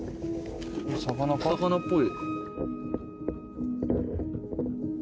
魚っぽい。